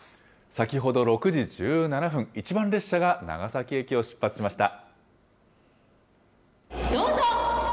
先ほど６時１７分、１番列車が長崎駅を出発しました。